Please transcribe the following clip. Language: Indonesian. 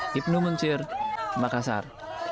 hipno muncir makassar